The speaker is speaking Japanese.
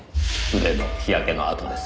腕の日焼けのあとです。